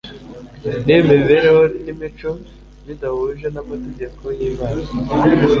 Niba imibereho n'imico bidahuje n'amategeko y'Imana,